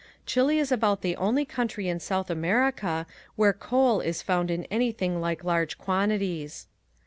Chile is about the only country in South America where coal is found in anything like large quantities.